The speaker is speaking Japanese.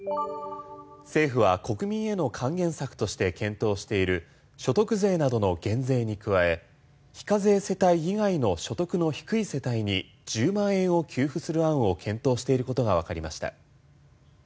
政府は国民への還元策として検討している所得税などの減税に加え非課税世帯以外の所得の低い世帯に１０万円を給付する案を検討していることがわかりました。